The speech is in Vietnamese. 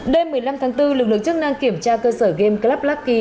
đêm một mươi năm tháng bốn lực lượng chức năng kiểm tra cơ sở game club lucky